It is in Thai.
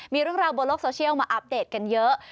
มีเรื่องราวบนโลกโซเชียลมาอัปเดตกันเยอะ